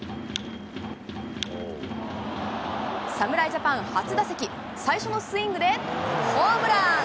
侍ジャパン初打席、最初のスイングでホームラン。